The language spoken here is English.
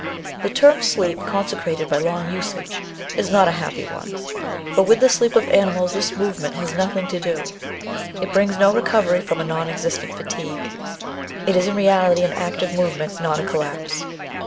The term sleep, consecrated by long usage, is not a happy one, for with the sleep of animals this movement has nothing to do. It brings no recovery from a non existent fatigue. It is in reality an active movement, not a collapse.